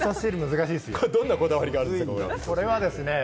どんなこだわりがあるんですか？